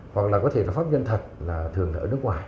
hoặc là có thể là pháp nhân thật là thường là ở nước ngoài